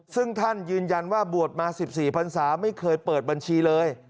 ซึ่งท่านยืนยันว่าบวชมา๑๔พันศาไม่เคยเปิดบัญชีเลย